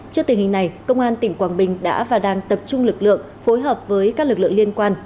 trước tình hình này công an tỉnh quảng bình đã và đang tập trung lực lượng phối hợp với các lực lượng liên quan